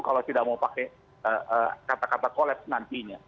kalau tidak mau pakai kata kata kolaps nantinya